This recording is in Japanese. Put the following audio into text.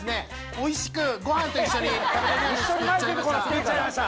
おいしくご飯と一緒に食べれるように作っちゃいました。